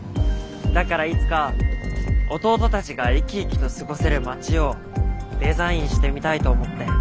だからいつか弟たちが生き生きと過ごせる街をデザインしてみたいと思って。